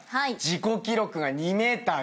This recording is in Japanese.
自己記録が２ｍ１４。